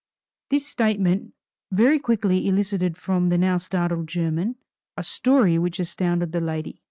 This statement very quickly elicited from the now startled German a story which astounded the lady.